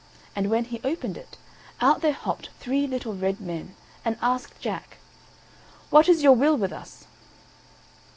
And when he opened it, out there hopped three little red men, and asked Jack: "What is your will with us?"